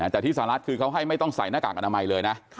แต่ที่สหรัฐคือเขาให้ไม่ต้องใส่หน้ากากอนามัยเลยนะ